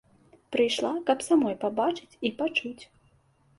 Прыйшла, каб самой пабачыць і пачуць.